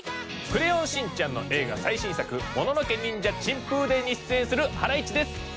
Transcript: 『クレヨンしんちゃん』の映画最新作『もののけニンジャ珍風伝』に出演するハライチです。